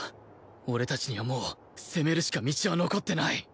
俺たちにはもう攻めるしか道は残ってない！